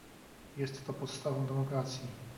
Jest to podstawą demokracji